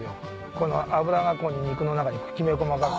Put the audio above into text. この脂が肉の中にきめ細かく。